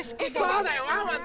そうだよワンワン